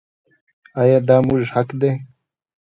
آیا دا زموږ حق دی؟